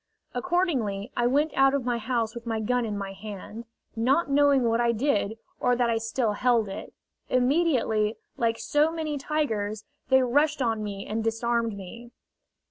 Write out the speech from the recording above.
Accordingly, I went out of my house with my gun in my hand, not knowing what I did or that I still held it. Immediately, like so many tigers, they rushed on me and disarmed me.